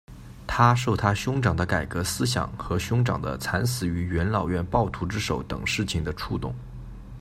他受他兄长的改革思想和兄长的惨死于元老院暴徒之手等事情的触动。